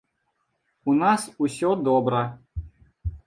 У нас усё добра.